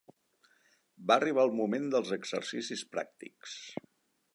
Va arribar el moment dels exercicis pràctics